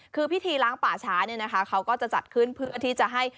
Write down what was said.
คือพิธีล้างป่าช้าเนี่ยนะคะเขาก็จะจัดขึ้นเพื่อที่จะให้